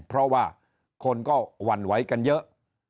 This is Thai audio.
เพราะว่าคนก็หวั่นไหวกันเยอะ